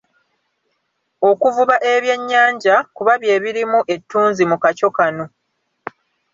Okuvuba ebyennyanja, kuba bye birimu ettunzi mu kakyo kano.